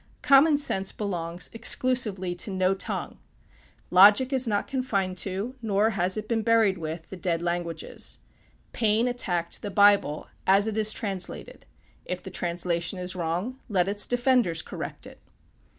Common sense belongs exclusively to no tongue. Logic is not confined to, nor has it been buried with, the dead languages. Paine attacked the Bible as it is translated. If the translation is wrong, let its defenders correct it.